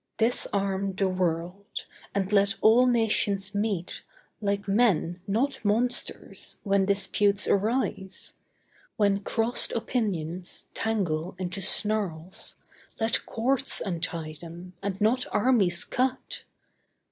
Disarm the world; and let all Nations meet Like Men, not monsters, when disputes arise. When crossed opinions tangle into snarls, Let Courts untie them, and not armies cut.